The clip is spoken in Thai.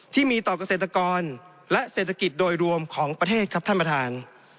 ที่มีต่อเกษตรกรและเศรษฐกิจโดยรวมของประเทศครับท่านประธาน